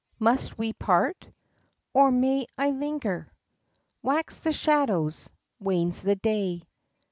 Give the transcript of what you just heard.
"Must we part? or may I linger? Wax the shadows, wanes the day."